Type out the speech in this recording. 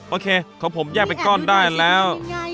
โอเคของผมแยกเป็นก้อนได้แล้ว